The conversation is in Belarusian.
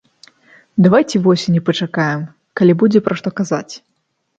Давайце восені пачакаем, калі будзе пра што казаць.